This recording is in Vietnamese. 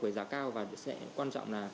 với giá cao và quan trọng là